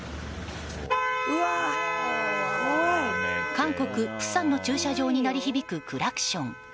韓国・釜山の駐車場に鳴り響くクラクション。